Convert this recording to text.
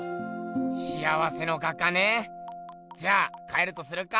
幸せの画家ねじゃあ帰るとするか。